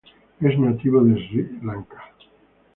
Es nativo de Sri Lanka.